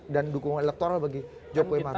dan dukungan elektoral bagi jokowi ma'ruf